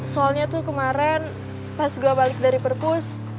soalnya tuh kemarin pas gue balik dari perpus